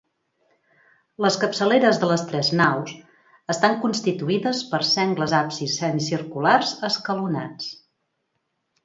Les capçaleres de les tres naus estan constituïdes per sengles absis semicirculars escalonats.